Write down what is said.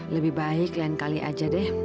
lebih baik lain kali aja deh